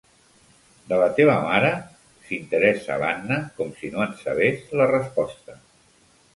De la teva mare? —s'interessa l'Anna, com si no en sabés la resposta.